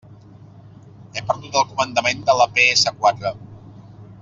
He perdut el comandament de la pe essa quatre.